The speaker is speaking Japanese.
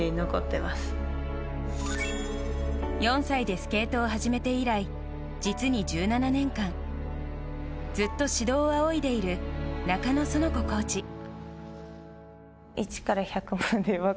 ４歳でスケートを始めて以来実に１７年間ずっと指導を仰いでいる中野園子コーチ。